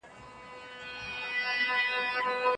تاریخ د سیاستوالو لپاره مهمه سرچینه ده.